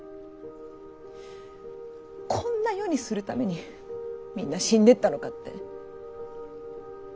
こんな世にするためにみんな死んでったのかって。